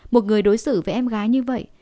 một người đối xử với em gái như vậy